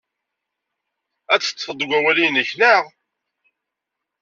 Ad teḍḍfed deg wawal-nnek, naɣ?